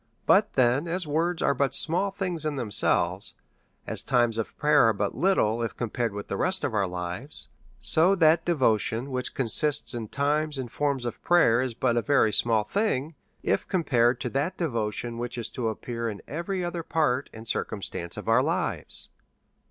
But then, as words are but small things in themselves, as times of prayer are but little if compared with the rest of our lives ; so that devotion, which consists in times DEVOUT AND HOLY LIFE. 107 find forms of prayer^ is but a very small thing if com pared to that devotion which is to appear in every other part and circumstance of our lives.